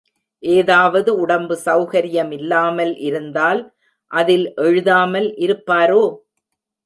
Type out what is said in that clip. ஏதாவது உடம்பு செளகரியமில்லாமல் இருந்தால் அதில் எழுதாமல் இருப்பாரோ?